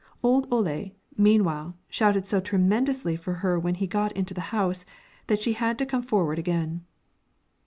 Old Ole, meanwhile, shouted so tremendously for her when he got into the house that she had to come forward again.